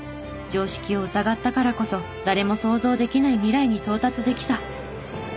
常識を疑ったからこそ誰も想像できない未来に到達できた。